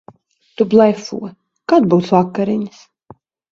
Tu blefo. Kad būs vakariņas?